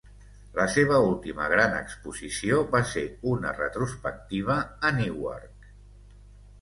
La seva última gran exposició va ser una retrospectiva a Newark.